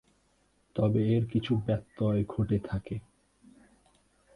তবে এর কিছু ব্যত্যয় ঘটে থাকে।